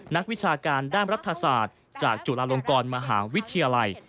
นักวิชาการด้านรัฐศาสตร์จากจุฬาลงกรมหาวิทยาลัย